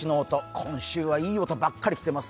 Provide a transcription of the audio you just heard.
今週はいい音ばっかり来ています。